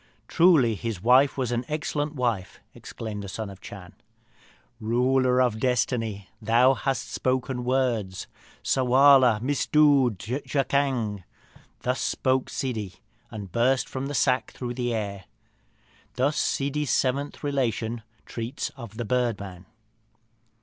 "Truly, his wife was an excellent wife!" exclaimed the Son of the Chan. "Ruler of Destiny, thou hast spoken words! Ssarwala missdood jakzang!" Thus spake Ssidi, and burst from the sack through the air. Thus Ssidi's seventh relation treats of the Bird man.